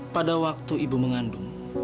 pada waktu ibu mengandung